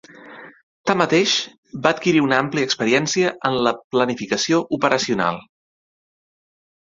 Tanmateix, va adquirir una àmplia experiència en la planificació operacional.